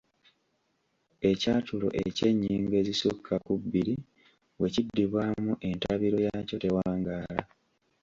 Ekyatulo eky’ennyingo ezisukka ku bbiri bwe kiddibwamu entabiro yaakyo tewangaala.